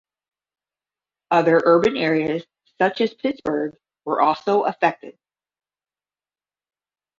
Other urban areas, such as Pittsburgh, were also affected.